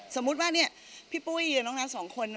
สมมุติว่าเนี่ยพี่ปุ้ยกับน้องน้าสองคน